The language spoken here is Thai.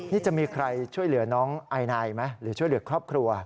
นี่จะมีใครช่วยเหลือน้องไอนายไหมหรือช่วยเหลือครอบครัว